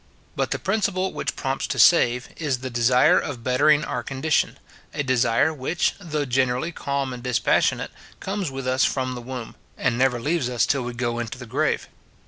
But the principle which prompts to save, is the desire of bettering our condition; a desire which, though generally calm and dispassionate, comes with us from the womb, and never leaves us till we go into the grave.